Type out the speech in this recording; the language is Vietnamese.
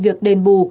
việc đền bù